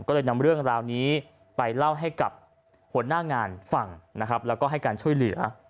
ก็เลยนำเรื่องราวนี้ไปเล่าให้กับหัวหน้างานฟังนะครับแล้วก็ให้การช่วยเหลือ